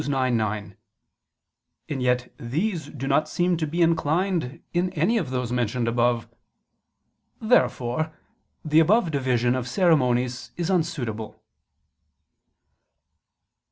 9:9): and yet these do not seem to be inclined in any of those mentioned above. Therefore the above division of ceremonies is unsuitable.